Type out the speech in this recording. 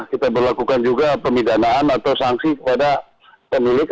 kita berlakukan juga pemidanaan atau sanksi kepada pemilik